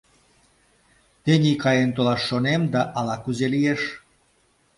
— Тений каен толаш шонем, да ала-кузе лиеш?